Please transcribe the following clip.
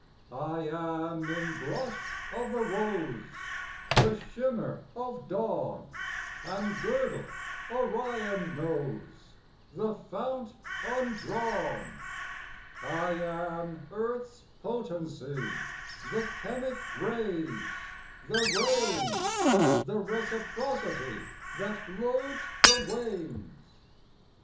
I am in blush of the rose, The shimmer of dawn; Am girdle Orion knows, The fount undrawn. I am earth's potency, The chemic ray's, the rain's, The reciprocity That loads the wains.